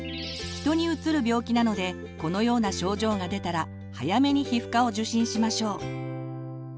人にうつる病気なのでこのような症状が出たら早めに皮膚科を受診しましょう。